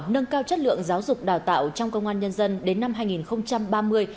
nâng cao chất lượng giáo dục đào tạo trong công an nhân dân đến năm hai nghìn ba mươi